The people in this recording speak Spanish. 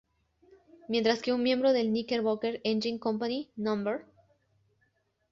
Mientras que un miembro del "Knickerbocker Engine Company No.